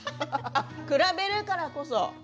比べるからこそ。